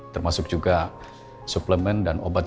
termasuk juga suplemen dan obat